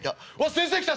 先生来た！